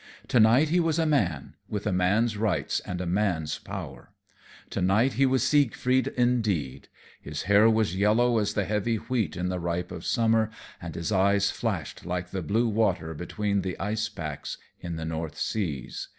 To night he was a man, with a man's rights and a man's power. To night he was Siegfried indeed. His hair was yellow as the heavy wheat in the ripe of summer, and his eyes flashed like the blue water between the ice packs in the North Seas.